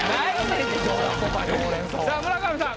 さあ村上さん